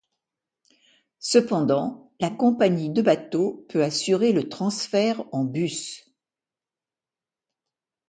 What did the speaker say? Cependant, la compagnie de bateaux peut assurer le transfert en bus.